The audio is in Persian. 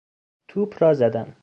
توپ را زدن